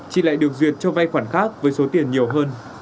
chị lại được duyệt cho vay khoản khác với số tiền nhiều hơn